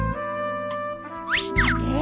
えっ！？